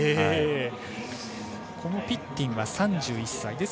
このピッティンは３１歳。